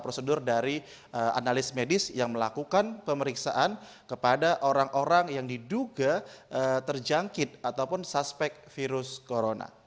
prosedur dari analis medis yang melakukan pemeriksaan kepada orang orang yang diduga terjangkit ataupun suspek virus corona